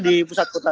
jadi di pusat kota